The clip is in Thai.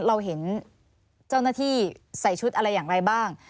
เราเห็นเจ้าหน้าที่ใส่ชุดอะไรอย่างไรบ้าง